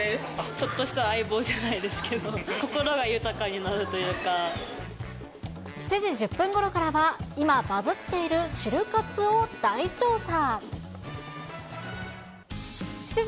ちょっとした相棒じゃないで７時１０分ごろからは、今バズっているシル活を大調査。